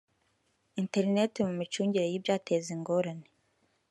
interineti mu micungire y ibyateza ingorane